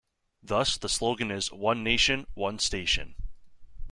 Thus, the slogan is "One Nation, One Station".